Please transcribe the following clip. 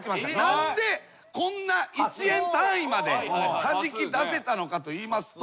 何でこんな１円単位まではじき出せたのかといいますと。